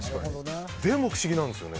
でも、不思議なんですよね。